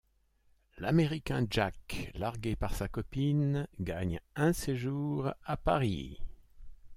L'américain Jack, largué par sa copine, gagne un séjour à Paris.